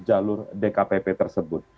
jalur dkpp tersebut